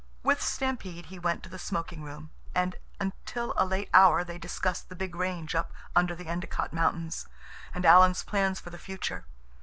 With Stampede he went to the smoking room, and until a late hour they discussed the big range up under the Endicott Mountains, and Alan's plans for the future.